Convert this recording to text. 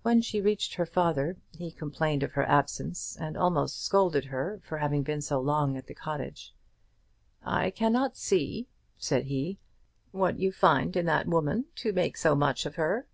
When she reached her father he complained of her absence, and almost scolded her for having been so long at the cottage. "I cannot see," said he, "what you find in that woman to make so much of her."